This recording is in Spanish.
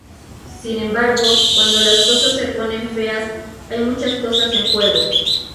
Sin embargo, cuando las cosas se ponen feas, hay muchas cosas en juego".